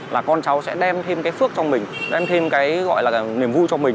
là con cháu sẽ đem thêm cái phước cho mình đem thêm cái gọi là niềm vui cho mình